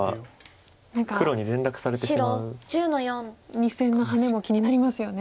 ２線のハネも気になりますよね。